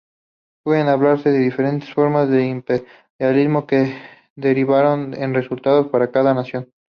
Puede hablarse de diferentes formas de imperialismo que derivaron en resultados para cada nación.